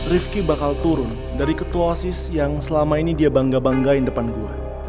rifki bakal turun dari ketua osis yang selama ini dia bangga banggain depan gue